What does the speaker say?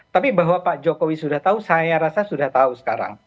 tapi bahwa pak jokowi sudah tahu saya rasa sudah tahu sekarang